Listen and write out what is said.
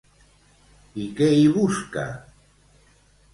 I què hi busca?